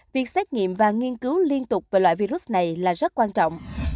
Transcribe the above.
việc xét nghiệm và nghiên cứu liên tục về loại virus này là rất quan trọng